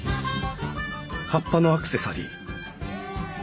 葉っぱのアクセサリー！